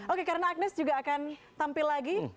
oke karena agnes juga akan tampil lagi